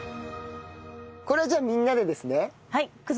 これはじゃあみんなでですね。